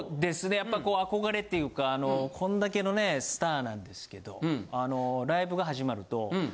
やっぱこう憧れっていうかこんだけのねスターなんですけどライブが始まると。